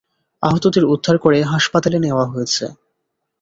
আহতদের উদ্ধার করে হাসপাতালে নেওয়া হয়েছে।